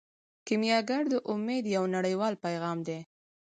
کیمیاګر د امید یو نړیوال پیغام دی.